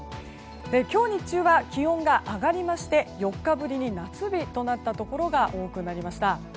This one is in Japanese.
今日日中は気温が上がりまして４日ぶりに夏日となったところが多くなりました。